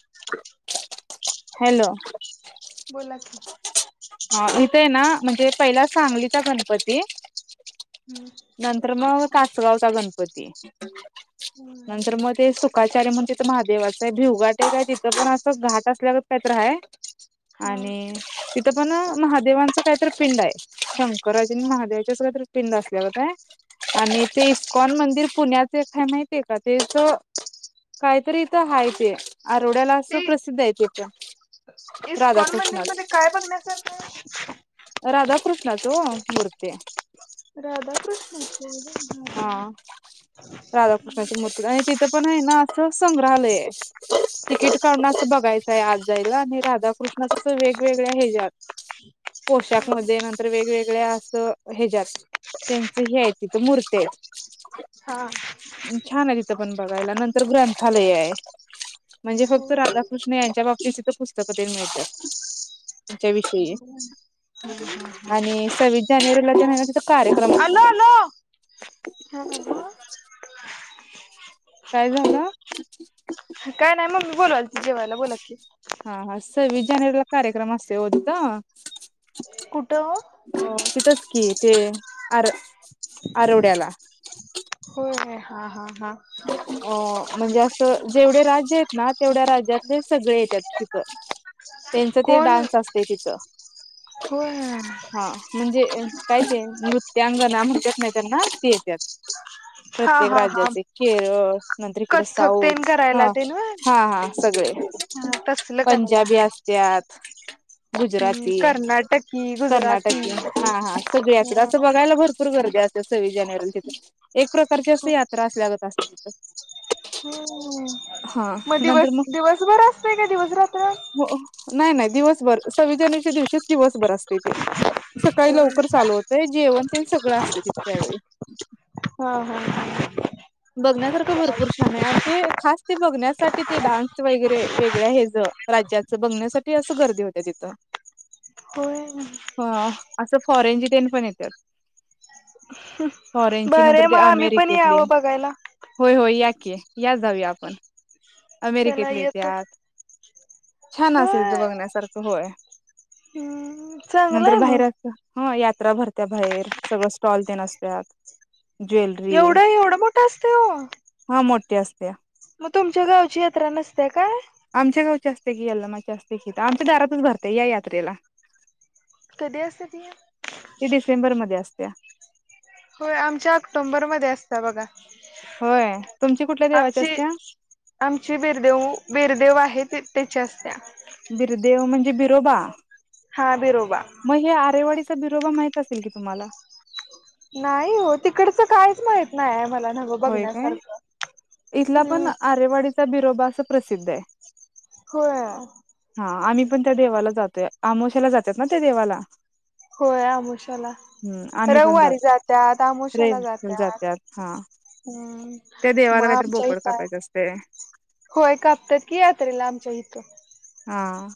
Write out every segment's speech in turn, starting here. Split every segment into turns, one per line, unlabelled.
[inaudible]
Hello
बोला की
हा इथेय ना म्हणजे पहिला सांगलीचा गणपती
हम्म.
नंतर म तासगावचा गणपती
हम्म.
नंतर म ते सुखाचार्य म्हणुन ति महादेवाच आहे भिवघाट एक हाय तिथं पण असं घाट असल्यागत काय तर हाय.
हा
आणि तिथं पण अ महादेवांचं कायतर पिंड हाय शंक शकराजे ण महादेवाचीच काय तर पिंड अस गत हाय आणि ते इस्कॉन मंदिर पुण्याच एक हाय माहितीय का तेच काहीतरी इथं हाय ते आरवड्याला असं
ते
प्रसिद्ध हाय इथं
इस्कॉन मंदिरमध्ये काय बघण्यासारकय
राधाकृष्णाच ओ मूर्ती
राधा कृष्णच
हा
वय हा
राधाकृष्णाची मूर्ती आणि
हा
तिथं पण हाय ना असं संग्रहालय तिकीट काढुन बघायचंय आत जायला आणि राधाकृष्ण त्असं वेगवेगळ्या हेज्यात
[inaudible]
पोशाखमध्ये नंतर वेगवेगळ्या असं हेज्यात तेंचं हे आहे तिथं मूर्ती हाइत
हा
छान आहे तिथं पण बघायला नंतर ग्रंथालय आहे. म्हणजे फक्त राधाकृष्ण यांच्या बाबतीची तिथं पुस्तक तेन मिळतात. त्यांच्या विषयी. आणि सव्वीस जानेवारीला तेन तिथ कार्यक्रम असतोय.
हा ह मग?
काय झालं?
काय नाही मम्मी बोलवालती जेवायला बोला की.
हा हा सव्वीस जानेवारीला कार्यक्रम असतोय ओ तिथं.
कुटं ओ.
तिथचं कि ते आर आरवड्याला.
हो हा हा हा
अ म्हणजे असं जेवढे राज्य आहेत ना तेवढ्या राज्यातले सगळे येत्यात तिथं. त्यांचं ते
कोण
डान्स असतय तिथं.
होय
हा म्हणजे? काय ते नृत्यांगणा म्हणत्यात ना त्यांना ती येत्यात
हा
प्रत्येक
हा हा
राज्याचे. केरळ नंतर इकड
कथ्थक तेन
साऊथ हा
करायला तेन व्हय
हा हा सगळे.
हा तसलं करायला
पंजाबी
हा
असत्यात.
हम्म
गुजराती
कर्नाटकी गुजराती
कर्नाटकी हा हा सगळे अस
हम्म.
असं बघायला भरपूर गर्दी असते. सव्वीस जानेवारीला तिथ एक प्रकारची अस यात्रा असल्यागत असत्या तिथ.
हम्म मग दिवस दिवसभर असतय का दिवस रात्र.
हो नाही नाही दिवसभर सव्वीस जानेवारीच्या दिवशीच दिवसभर असतय ते. सकाळी लवकर
हा
चालू होतय जेवण तेन सगळं असतय तिथ त्या वेळी.
हा हा ह.
बघण्यासारखं भरपूर छान आहे. आणि ते खास ते बघण्यासाठी ते डान्स वगैरे वेगळ्या हेच राज्याच बघण्यासाठी अस गर्दी होते तित.
होय
ह असं फॉरेनची तेन पण येत्यात. फॉरेन ची नंतर
बरे
ते
मग आम्ही पण
अमेरिकेतली.
यावं बघायला
होय होय याकी या जाऊया आपण.
चला
अमेरिकेतले
येतो
येत्यात, छान असतय तिथे
होय
बघण्यासारखं होय.
हम्म
नंतर
चांगलंय मग
बाहेर हो यात. जत्रा भरत्या बाहेर सगळ स्टॉल तेन असतात.
एवढं एवढं मोठं असतय हो.
हा मोठी असत्या.
मग तुमच्या गावची यात्रा नसते काय?
आमच्या गावच्या असत्या की यल्लमाची असत्या की आमच्या दारातच भरते या यात्रेला.
कधी असते ती
ती डिसेंबर मध्ये असत्या.
होय आमच्या ऑक्टोंबरमध्ये असत्या बघा.
होय. तुमची कुठल्या देवाची
आमची
असत्या
आमची बीरदेव बीरदेव आहे त्याच्या असत्या.
बिरदेव म्हणजे बिरोबा
हा बिरोबा
मग हे आरेवाडी बिरोबा माहित असेल की तुम्हाला.
नाही हो तिकडच कायच माहित नाही आहे मला. नवं
होय काय?
बघण्यासारखं
इथला पण
हम्म
आरेवाडीचा बिरोबा अस प्रसिद्ध आहे.
होय.
हा आम्ही पण त्या देवाला जातोय आमोशाला जातात ना त्या देवाला.
होय आमोशाला.
हम्म आम्ही पण
रविवारी
जातो
जात्यात आमोशाला
रविवारी
जात्यात.
हा त्या
हम्म मग
देवाला काहीतरी
आमच्या
बोकड
इथं आहे.
कापायचं असते
होय कापत्यात कि यात्रेला आमच्या इथ.
हं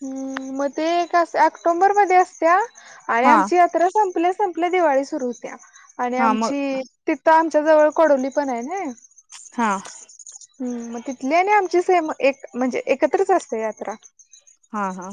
[unintelligible] मग ते ऑक्टोबर मध्ये असत्या आणि
हा
आमची यात्रा संपली. संपली दिवाळी सुरु होत्या आणि
हा मग
आमची तिथं आमच्या जवळ कडोली पण आहे ना.
हं.
हम् मग तिथली आणि आमची सेम एक म्हणजे एकत्रच असते यात्रा
हा हा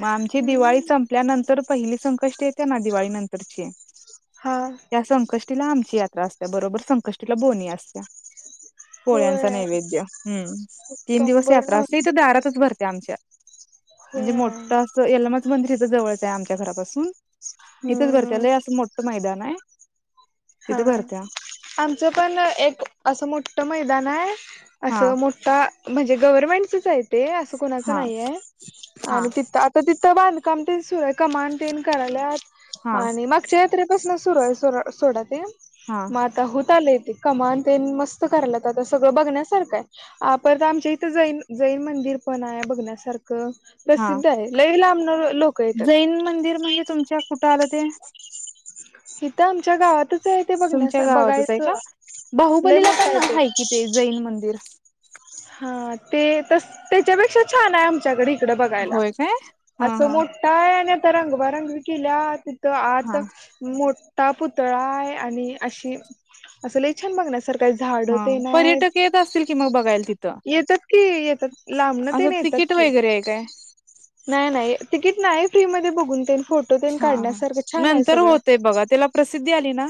मग आमची दिवाळी
हम्म
संपल्यानंतर पहिली संकष्टी येते ना दिवाळी नंतरची
हं.
तिला आमची यात्रा असत्या बरोबर संकष्टीला बोनी असत्या. पोळ्यांचा
होय
नैवेद्य हम्म तीन दिवस
ऑक्टोबर
यात्रा
नोव्हेंबर
असते इ तर दारातच भरते आमच्या म्हणजे
होय
मोठं असं यलमाच मंदिरथं जवळचं आहे आमच्या घरापासून इथच बरतेय
हम्म
लय अस मोठ मैदान हाय.
हा आमचं पण एक असं मोठ्ठ मैदान आहे.
हा
असं मोठा म्हणजे गव्हर्नमेंटच आहेत. ते असं कुणाचं
हा
नाहीये
हा
आणि तिथ आता तिथं बांधकाम ते सुरु कमांटीन कराल्यात
हा
आणि मागच्या यात्रेपासना सुरू आहे [unintelligible] सोडा ते
हा
म आता होत आले कमान ते मस्त करायला तर सगळं बघण्यासारखं आहे तर आमच्या इथं जैन जैन म्हण ते पण हाय बघण्यासारखं अ
हा
प्रसिद्ध आहे लई लांबन लोक
जैन
येतात
मंदिर म्हणजे तुमच्या कुठं आलं ते
सीता आमच्या गावात [unintelligible]
तुमच्या
बघण्या
गावातच आहे का
बघायचं लय
बाहुबलीला
मोठ
पण
आहे ते
कि जैन मंदिर
हा ते तस त्याच्यापेक्षा छान आहे आमच्याकडे [unintelligible] बघायला
होय काय हा
असं
हा
मोठाय आणि आता रंग बारंग केल्यात तर आत
हा
मोठा पुतळा आहे आणि अशी असं लय छान बघण्यासारखं झाड
हा
ते नायत
पर्यटक येत असतील कि मग बघायला तिथं
येतात की येतात लांबणने
असं
कि येतात
तिकीट
की
वगैरे आहे काय
नाही नाही नाही तिकीट नाही फ्रीमध्ये बघून [unintelligible] फोटो बिन
हा हा
काढण्यासारखं छान आहे
नंतर
सगळं
होते बघा त्याला प्रसिद्धी आली ना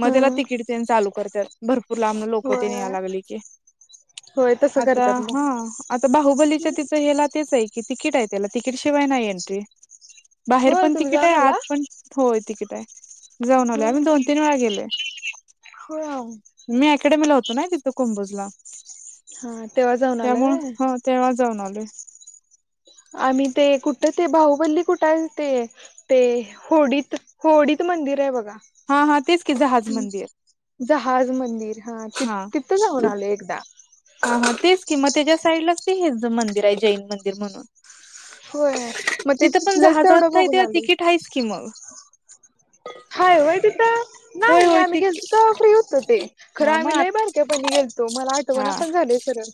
मग त्याला
हम्म
तिकीट त्यानं चालू करत्यात भरपूर लांब लोक ते यायला
होय
लागली की
होय तसं
आता
करतात मग
हा आता बाहुबलीच्या तिथं हेला तेच आहे तिकीट आहे त्याला तिकीट शिवाय नाही एंट्री बाहेर
होय
पण
तुम्ही
तिकीट
जाऊन
आहे आज
आला
पण होय तिकीट आहे जाऊन आलोय आम्ही
होय
दोन तीन वेळा गेलोय
होय
मी अकेडेमीला होतो ना तिथ कुंबजला
हा तेव्हा जाऊन आलाय व्हय
त्यामुळं तेव्हा जाऊन आलोय
आम्ही ते कुठ ते बाहुबल्ली कुठ ते ते होडीत होडीत मंदिर आहे बघा
हा हा तेच की जहाज मंदिर
जहाज मंदिर हा ती तिथं जाऊन आले एकदा
ह तेच किं मग त्याच्या साईडलाच तेज मंदिर आहे जैन मंदिर म्हणून
होय मग ते
तिथं पण
तिथलंच तेवढं
जहाजात आहे
बघून
तेव्हा
आलोय
तिकीट आहेच की मग
हाय होयतीता
होय
नाही
होय
आम्ही
तिक
गेलतो तर फ्री होतो ते खरं
हा
आम्ही
मग
लय बारक्या पण गेलतो मला
हा
आठवण पण झाली [unintelligible]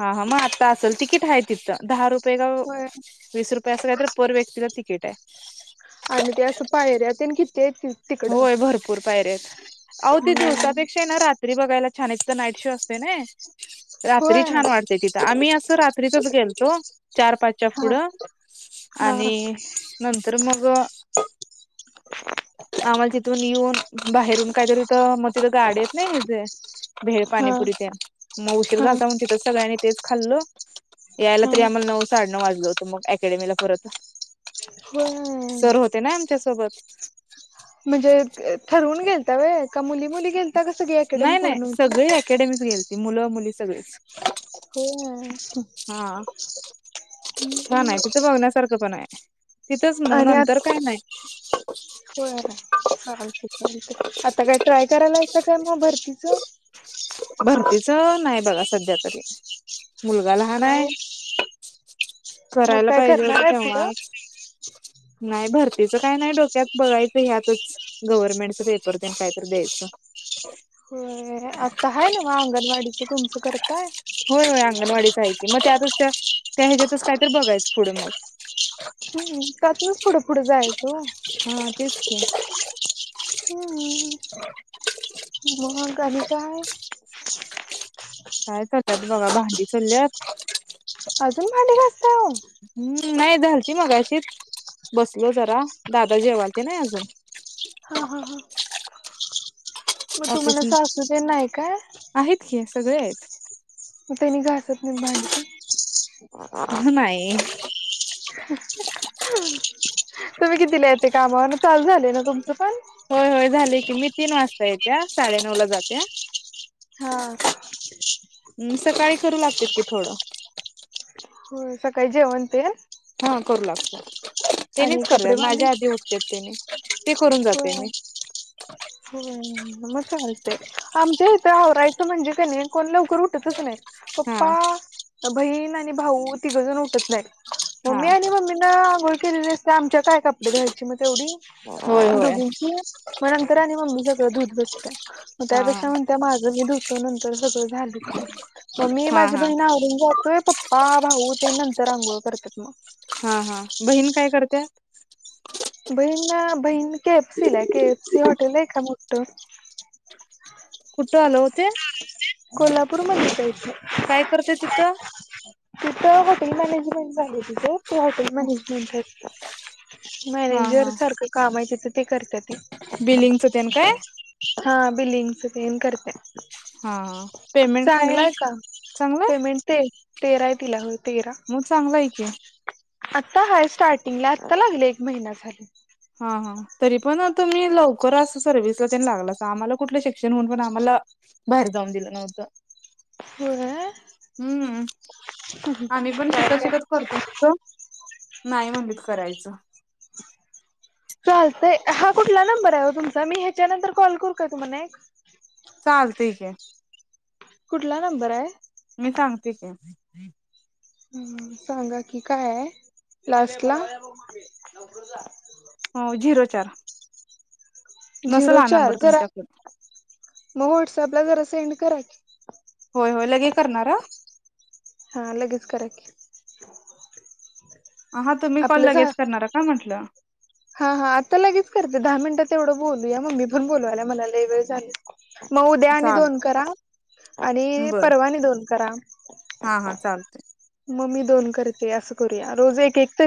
हा हा मग आता असल तिकीट आहे तिथं दहा रुपये का
होय
वीस रुपये अस काही तरी पर व्यक्तीला तिकीट आहे
आणि ते असं पायर्या [unintelligible]
होय भरपूर पायऱ्या आहेत आओ
हम्म
दिवसापेक्षा ना रात्री बघायला छान हे [unintelligible] नाईट शो असते ना रात्री
होय
छान वाटते तिथं आम्ही असं रात्रीतच गेलतो चार पाचच्या
हा
पुढं
हा
आणि नंतर मग आम्हाला तिथून येऊन बाहेरून काहीतरी म तिथ गाड्या आहेत ना [inaudible] भेळ
हा
पाणीपुरी तेन मग उशीर
हा
झालता म्हणून तिथंच सगळ्यांनी तेच खाल्लं यायला
हा
तरी आम्हाला नऊ साडेनऊ वाजलं होतं मग अकेडमीला परत
ह [unintelligible]
तर होते ना आमच्यासोबत
म्हणजे ठरवून गेलता होय का मुली मुली गेलता का सगळी अकॅडमी
नाही
पूर्ण
नाही
होती
सगळी अकॅडमीच गेलती मुलं मुली सगळीच
हो [inaudible]
हा. छान आहे तिथं बघण्यासारखं पण आहे तिथंच मग
आणि आ
नंतर काय नाही
होय काय चालतय चालतय आता काय ट्राय करायलायसा काय मग भरतीच [inaudible]
तीचं नाही बघा सध्या तरी मुलगा लहान
का
आहे
ओ? मग
करायला
काय
पाहिजे
करणार
होत
आहे पुढं?
तेव्हाच नाही भरतीच काय नाही डोक्यात बघायचं ह्यातच गव्हर्नमेंटचा पेपर देन काहीतरी द्यायचं
होय आता आहे ना म अंगणवाडीचे तुमच करताय
होय होय अंगणवाडीच आहे मग त्यातच त्या त्या ह्याच्यातच कायतर बघायच पुढं मग
हम् त्यातनचनच पुढे पुढे जायचो
हा तेच की
हम्मम् मग आणि काय
काय करत्यात बघा भांडी चाल्यात
अजून भडी घसा हो
हम्म नाही झालती मगाशीच बसलो जरा दादा जेवालते ना अजून
हा हा हा मग
ऑफिस
तुम्हाला असासल ते नाही का
आहेत की सगळे आहेत
म तेनी घासत नाहीत भांडी तेन
नाही
तुम्ही कितीला ते कामावरून चालू झालय ना तुमचं पण
होय होय झालय की मी तीन वाजता येत्या साडेनऊ ला जात्या
हा
म सकाळी करू लागत्यात की थोडं
होय सकाळी जेवण तेन
हा करू लागत्यात तेनिच
कपडे
करत्यात
भांडी
माझ्या आधी उठत्यात तेनी ते करून जाते मी
होय होय [unintelligible] आमच्याहित करायचं म्हणजे का नाही कोण लवकर उठतच नाही
हा
पप्पा बहीण आणि भाऊ तिघंजण उठत नाहीत मग
हा
मी आणि मम्मीन आंघोळ केलेली आमच्या काय कपडे धुवायची मग
होय
तेवढी
होय
दोघींची मग नंतर आणि मम्मी धूत बसत्या मग
हा
त्यापेक्षा म्हणत्या माझं मी धुतो नंतर सगळं झालं की मग मी
हा
माझी
हा
बहीण आवरुन जातोय पप्पा भाऊ ते नंतर आंघोळ करत्यात मग
हा हा बहीण काय करत्या
बहीण बहीण के एफसीला आहे के एफसी हॉटेल आहे का मोठं
कुठ आल ओ ते
कोल्हापूर मध्ये जायच
करते तिथं
तिथ हॉटेल मॅनेजमेंट झालंय तिचं ती हॉटेल मॅनेजमेंट करत्या
हा
मॅनेजर सारखं काम आहे [unintelligible] करतात
बिल्लि काय
हा बिलिंगच तेन करत्या
हा पेमेंट काय
चांगलाय का
चांगलंय
पेमेंट ते तेरा आहे तिला होय
मग चांगलं आहे की
आता हाय स्टार्टिंगला आत्ता लागले एक महिना झाली.
हा हा तरी पण तम्ही लवकरच अस सर्विस ला त्यांनी लागला आम्हाला कुठलं शिक्षण होऊन पण आम्हाला बाहेर जाऊन दिलं नव्हत
होय
हम्म आम्ही पण शिकत शिकत करतो मत नाही म्हणलीत करायचं.
चालतंय हा कुठला नंबर आहे ओ तुमचा मी ह्याच्यानंतर कॉल करू काय तुम्हाला एक?
चालतय की
कुठला नंबर आहे?
मी सांगते की.
ह सांगा कि काय आहे लास्ट ला?
हो झिरो चार नसल
झिरो
हा
चार
नंबर
जरा
तुमच्याकडं
मग वॉटसपला जरा सेंड करा की.
होय होय लगे करणार हं
हा लगेच करा की
हां तुम्ही कॉल
आपलं झा
लगेच करणार का म्हंटलं?
हा हा आता लगेच करते दहा मिनिटात तेवढं बोलूया मम्मी पण बोलूवाल्या मला लय वेळ झाली. मग उद्या आणि दोन
चालतंय
करा आणि
बरं
परवा आणि दोन करा.
हा हा चालत.
म मी दोन करते असं करूया रोज एक एक तरी.